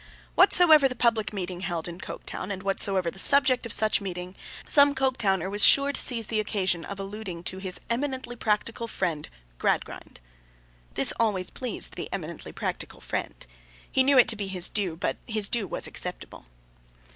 Whatsoever the public meeting held in Coketown, and whatsoever the subject of such meeting, some Coketowner was sure to seize the occasion of alluding to his eminently practical friend Gradgrind. This always pleased the eminently practical friend. He knew it to be his due, but his due was acceptable.